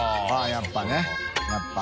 やっぱねやっぱ。